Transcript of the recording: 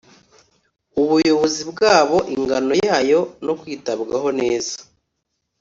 ubuyobozi bwabo ingano yayo no kwitabwaho neza